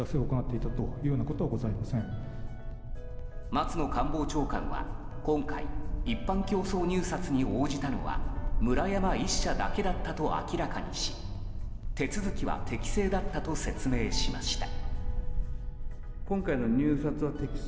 松野官房長官は今回、一般競争入札に応じたのはムラヤマ１社だけだったと明らかにし手続きは適正だったと説明しました。